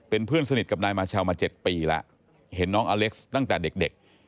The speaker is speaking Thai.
เป็นเพื่อนสนิทกับนายมาชาวมา๗ปีแล้วเห็นน้องอเล็กซ์ตั้งแต่เด็ก